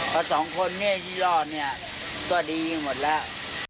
เพราะสองคนที่รอดก็ดียังหมดแล้ว